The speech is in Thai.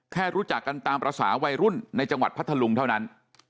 รู้จักกันตามภาษาวัยรุ่นในจังหวัดพัทธลุงเท่านั้น